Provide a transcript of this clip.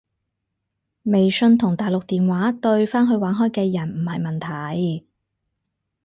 微信同大陸電話對返去玩開嘅人唔係問題